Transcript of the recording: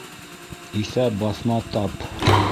Иҫәп-баҫма таб.